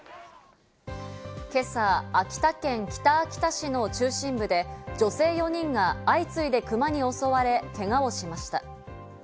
今朝、秋田県北秋田市の中心部で女性４人が相次いでクマに襲われけがをしました。